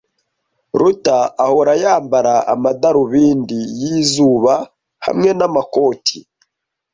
Ruta ahora yambara amadarubindi yizuba hamwe namakoti.